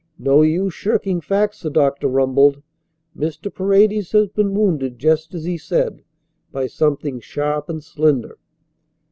"No use shirking facts," the doctor rumbled. "Mr. Paredes has been wounded just as he said, by something sharp and slender."